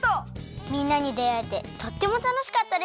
みんなにであえてとってもたのしかったです！